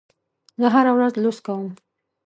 زه هره ورځ لوست کوم.